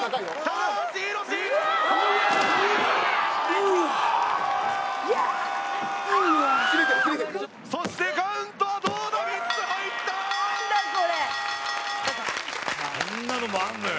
あんなのもあるのよ。